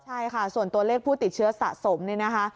ใช่ค่ะส่วนตัวเลขผู้ติดเชื้อสะสมเนี่ยนะคะ